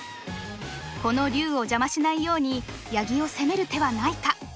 この竜を邪魔しないように八木を攻める手はないか。